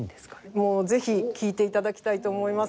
もうぜひ聴いて頂きたいと思います。